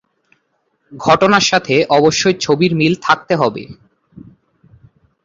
ঘটনার সাথে অবশ্যই ছবির মিল থাকতে হবে।